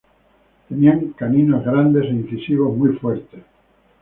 Tenían caninos grandes e incisivos muy fuertes.